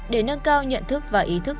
để nâng cao nhận thức và ý thức